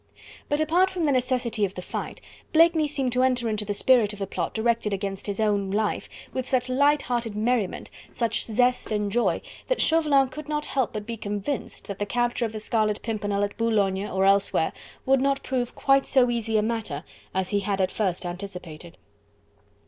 But apart from the necessity of the fight, Blakeney seemed to enter into the spirit of the plot directed against his own life, with such light hearted merriment, such zest and joy, that Chauvelin could not help but be convinced that the capture of the Scarlet Pimpernel at Boulogne or elsewhere would not prove quite so easy a matter as he had at first anticipated.